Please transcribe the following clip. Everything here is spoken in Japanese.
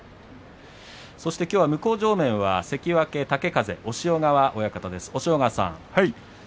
そしてきょうは向正面は関脇豪風押尾川親方です。